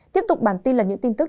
tiếp tục bản tin là những tin tức